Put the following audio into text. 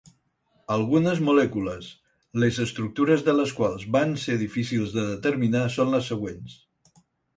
Algunes molècules les estructures de les quals van ser difícils de determinar són les següents.